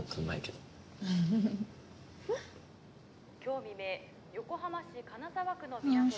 今日未明横浜市金沢区の港で。